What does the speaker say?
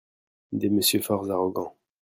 des messieurs fort arrogants.